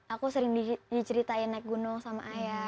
aku sering diceritain naik gunung sama ayah